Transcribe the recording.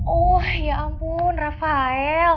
oh ya ampun rafael